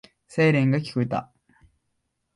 サイレンが聞こえてきた。